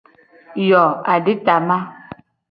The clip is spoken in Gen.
Yo aditama.